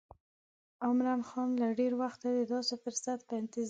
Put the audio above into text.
عمرا خان له ډېره وخته د داسې فرصت په انتظار و.